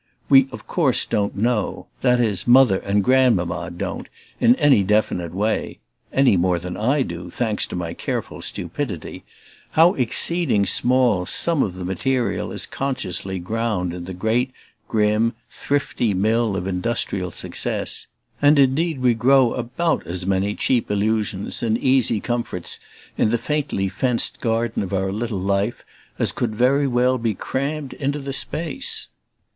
We of course don't know that is Mother and Grandmamma don't, in any definite way (any more than I do, thanks to my careful stupidity) how exceeding small some of the material is consciously ground in the great grim, thrifty mill of industrial success; and indeed we grow about as many cheap illusions and easy comforts in the faintly fenced garden of our little life as could very well be crammed into the space.